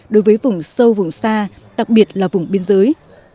đối với vùng sâu vùng xa đặc biệt là vùng biên giới